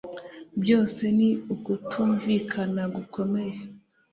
Byose ni ukutumvikana gukomeye